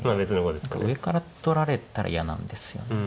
上から取られたら嫌なんですよね。